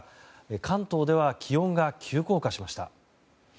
関東では気温が急降下しました。